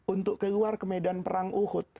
untuk keluar ke medan perang uhud